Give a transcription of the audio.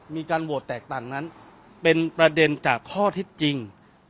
มีการโหวตแตกต่างนั้นเป็นประเด็นจากข้อเท็จจริง